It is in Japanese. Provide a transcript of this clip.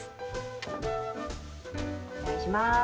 お願いします。